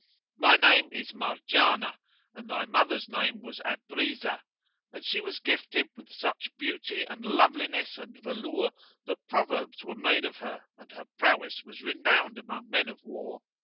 My name is Marjanah and thy mother's name was Abrizah: and she was gifted with such beauty and loveliness and velour that proverbs were made of her, and her prowess was renowned among men of war.